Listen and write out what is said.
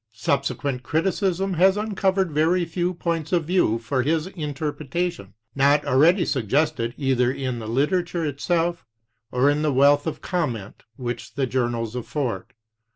Sub sequent criticism has uncovered very few points of view for his interpretation not already suggested either in the literature itself, or in the wealth of comment which the journals afford.